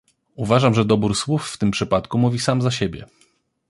Uważam, że dobór słów w tym przypadku mówi sam za siebie